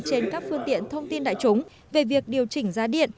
trên các phương tiện thông tin đại chúng về việc điều chỉnh giá điện